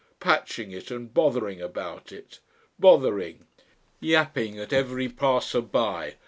Patching it and bothering about it. Bothering! Yapping at every passer by.